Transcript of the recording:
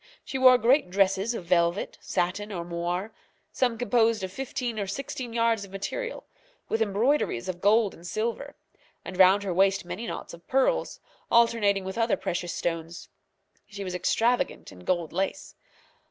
She wore great dresses of velvet, satin, or moire, some composed of fifteen or sixteen yards of material, with embroideries of gold and silver; and round her waist many knots of pearls, alternating with other precious stones. She was extravagant in gold lace.